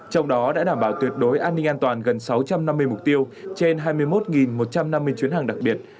trong đó đã đảm bảo tuyệt đối an ninh an toàn gần sáu trăm năm mươi mục tiêu trên hai mươi một một trăm năm mươi chuyến hàng đặc biệt